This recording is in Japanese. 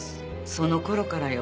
その頃からよ。